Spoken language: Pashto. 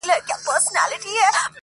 د دوى په نيت ورسره نه اوسيږو~